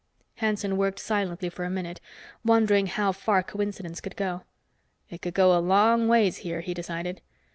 Hanson worked silently for a minute, wondering how far coincidence could go. It could go a long ways here, he decided.